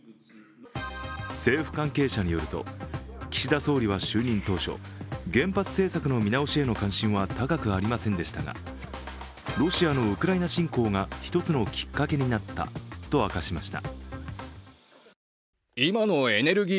政府関係者によると岸田総理は就任当初原発政策の見直しへの関心は高くありませんでしたが、ロシアのウクライナ侵攻が一つのきっかけになったと明かしました。